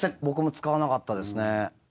僕も使わなかったですね。